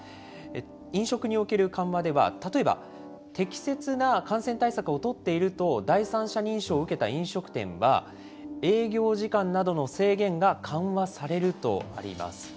飲食における緩和では、例えば、適切な感染対策を取っていると、第三者認証を受けた飲食店は、営業時間などの制限が緩和されるとあります。